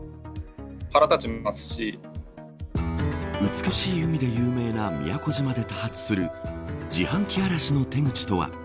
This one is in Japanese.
美しい海で有名な宮古島で多発する自販機荒らしの手口とは。